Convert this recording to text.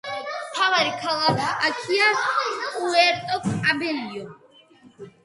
მთავარი ქალაქია პუერტო-კაბელიო.